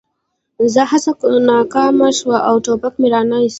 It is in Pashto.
زما هڅه ناکامه شوه او ټوپک مې را نه ایست